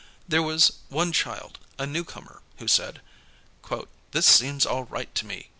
There was one child, a newcomer, who said. "This seems all right to me.